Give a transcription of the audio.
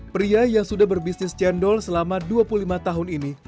pria yang sudah berbisnis cendol selama dua puluh lima tahun ini